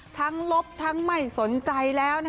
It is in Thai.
ลบทั้งไม่สนใจแล้ว